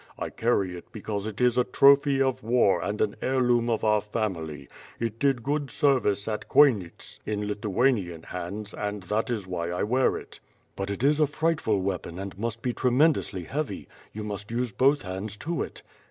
I carry it because it is a trophy of war and an heirloom of our family. It did good service at Khoinits in Lithuanian hands and that is why I wear it." "But it is a frightful weapon and must be tremendously heavy, you must use both hands to it."